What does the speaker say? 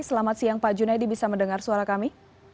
selamat siang pak junaidi bisa mendengar suara kami